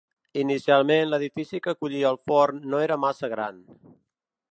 Inicialment l'edifici que acollia el forn no era massa gran.